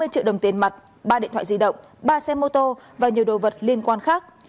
hai mươi triệu đồng tiền mặt ba điện thoại di động ba xe mô tô và nhiều đồ vật liên quan khác